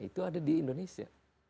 itu ada di indonesia